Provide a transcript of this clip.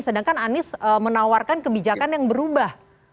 sedangkan anies menawarkan kebijakan yang berubah